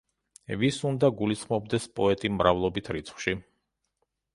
ვის უნდა გულისხმობდეს პოეტი მრავლობით რიცხვში?